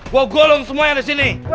gue gulung semua yang disini